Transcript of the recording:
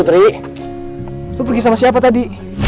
putri lu pergi sama siapa tadi